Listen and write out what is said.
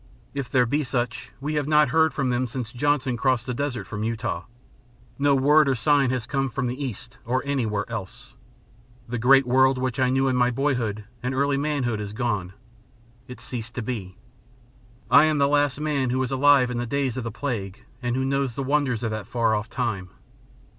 If there be such, we have not heard from them. Since Johnson crossed the desert from Utah, no word nor sign has come from the East or anywhere else. The great world which I knew in my boyhood and early manhood is gone. It has ceased to be. I am the last man who was alive in the days of the plague and who knows the wonders of that far off time.